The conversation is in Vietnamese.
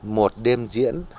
một đêm diễn